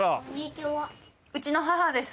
うちの母です。